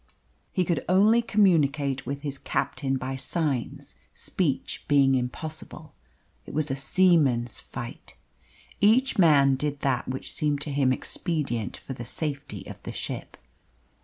He could only communicate with his captain by signs, speech being impossible. It was a seaman's fight. Each man did that which seemed to him expedient for the safety of the ship.